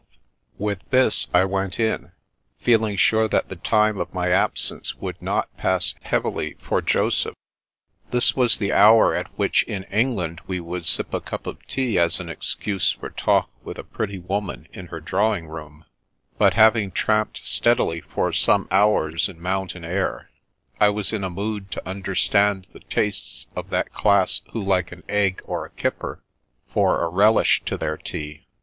I02 The Princess Passes With this I went in, feeling sure that the time of my absence would not pass heavily for Joseph. This was the hour at which, in England, we would sip a cup of tea as an excuse for talk with a pretty woman in her drawing room; but having tramped steadily for some hours in mountain air, I was in a mood to understand the tastes of that class who like an egg or a kipper for " a relish to their tea."